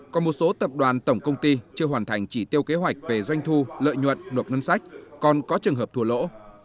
còn một số tập đoàn tổng công ty chưa hoàn thành chỉ tiêu kế hoạch về doanh thu lợi nhuận nộp ngân sách còn có trường hợp thua lỗ